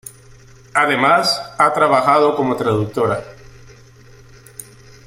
Además ha trabajado como traductora.